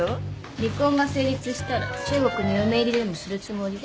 離婚が成立したら中国に嫁入りでもするつもりで？